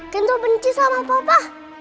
kenzo benci sama papa